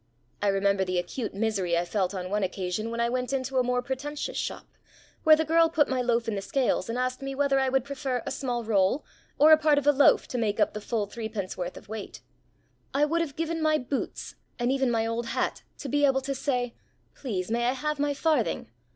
I remember the acute misery I felt on one occasion when I went into a more pretentious shop, where the girl put my loaf in the scales and asked me whether I would prefer a small roll or a part of a loaf to make up the full threepenceworth of weight. I would have given my boots, and even my old hat, to be able to say, "Please, may I have my farthing?"